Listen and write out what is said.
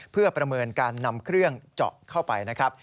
เพื่อประเมินการนำเครื่องเจาะเข้าไปนะครับ